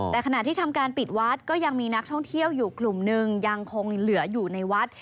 แต่ขณะที่ทำการปิดวัดก็ยังมีนักท่องเที่ยวอยู่กลุ่มนึงยังคงเหลืออยู่ในวัด